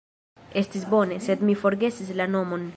Estis bone, sed mi forgesis la nomon